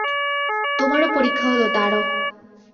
তোমারও পরীক্ষা হল, তারও।